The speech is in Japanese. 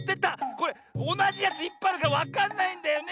これおなじやついっぱいあるからわかんないんだよね。